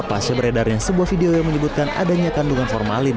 pas seberedarnya sebuah video yang menyebutkan adanya kandungan formalin